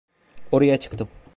Oraya çıktım.